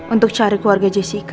untuk cari keluarga jessica